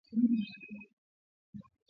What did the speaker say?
viatamini A hupotea kwenye hewa na jua